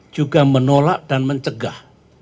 juga menolak dan mencegah